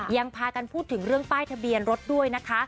ยังพากันพูดถึงเรื่องป้ายทะเบียนรถด้วยนะคะ